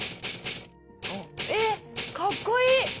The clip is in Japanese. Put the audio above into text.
えっかっこいい！